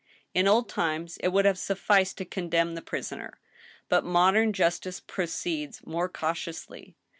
In old times it would have sufficed to condemn the prisoner ; but modem justice proceeds more cau tiously.